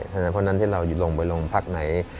เพราะฉะนั้นที่เราลงไปโรงพักไหน